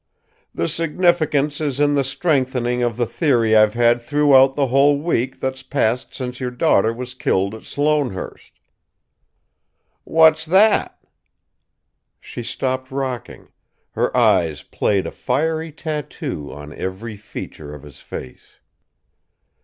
"The significance is in the strengthening of the theory I've had throughout the whole week that's passed since your daughter was killed at Sloanehurst." "What's that?" She stopped rocking; her eyes played a fiery tattoo on every feature of his face.